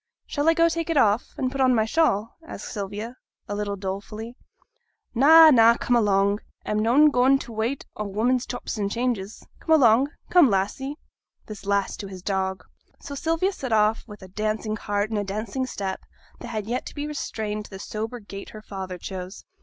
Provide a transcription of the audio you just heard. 'Shall I go take it off, and put on my shawl?' asked Sylvia, a little dolefully. 'Na, na, come along! a'm noane goin' for t' wait o' women's chops and changes. Come along; come, Lassie!' (this last to his dog). So Sylvia set off with a dancing heart and a dancing step, that had to be restrained to the sober gait her father chose.